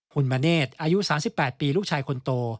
คุณมณเนธอายุ๓๘ปีลูกชายคนโต